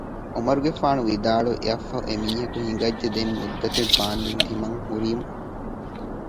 ޢުމަރުގެފާނު ވިދާޅުވި އެއަށް ފަހު އެ މީހަކު ހިނގައްޖެ ދެން މުއްދަތެއް ވާނދެން ތިމަން ހުރީމު